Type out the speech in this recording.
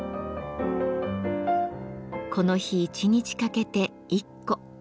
この日一日かけて１個。